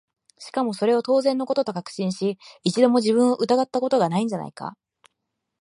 しかもそれを当然の事と確信し、一度も自分を疑った事が無いんじゃないか？